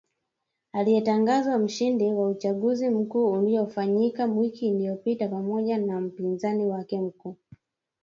aliyetangazwa mshindi wa uchaguzi mkuu uliofanyika wiki iliyopita pamoja na mpinzani wake mkuu